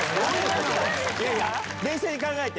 冷静に考えて！